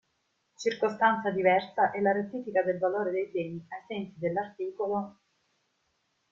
Circostanza diversa è la rettifica del valore dei beni ai sensi dell'art.